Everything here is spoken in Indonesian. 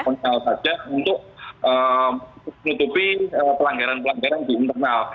konsen saja untuk menutupi pelanggaran pelanggaran di internal